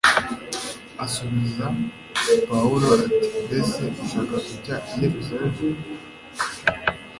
asubiza pawulo ati mbese urashaka kujya i yerusalemu